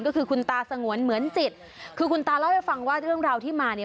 ก็คือคุณตาสงวนเหมือนจิตคือคุณตาเล่าให้ฟังว่าเรื่องราวที่มาเนี่ย